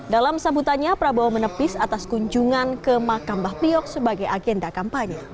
dalam sambutannya prabowo menepis atas kunjungan ke makam mbah priok sebagai agenda kampanye